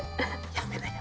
やめなよ。